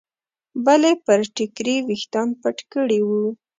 بلې پر ټیکري ویښتان پټ کړي وو.